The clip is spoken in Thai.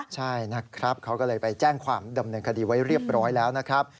ใช่นะครับเขาก็เลยไปแจ้งความดำเนินคดีไว้เรียบร้อยแล้วนะครับ